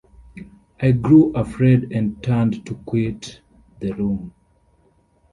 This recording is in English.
I grew afraid and turned to quit the room.